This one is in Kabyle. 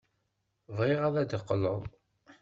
Bɣiɣ ad d-teqqleḍ.